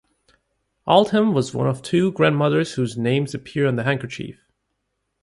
Aldham was one of two grandmothers whose names appear on the handkerchief.